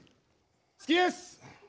好きです！